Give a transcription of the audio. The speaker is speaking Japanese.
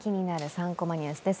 ３コマニュース」です。